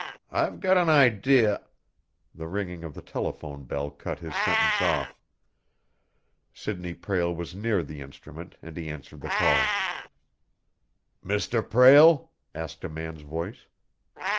I've got an idea " The ringing of the telephone bell cut his sentence off. Sidney Prale was near the instrument, and he answered the call. "Mr. Prale?" asked a man's voice.